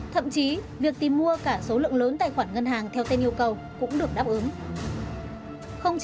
thậm chí việc tìm mua cả số lượng lớn tài khoản ngân hàng theo tên yêu cầu cũng được đáp ứng